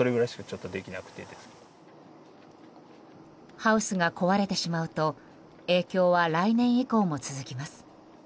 ハウスが壊れてしまうと影響は来年以降も続きます。